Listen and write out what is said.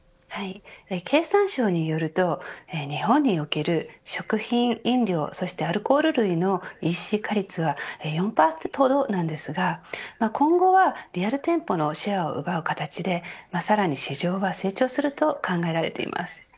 経産省によると日本における食品、飲料そしてアルコール類のＥＣ化率は４％ほどなんですが今後はリアル店舗のシェアを奪う形でさらに市場は成長すると考えられています。